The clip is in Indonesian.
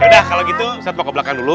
yaudah kalau gitu ustaz mau ke belakang dulu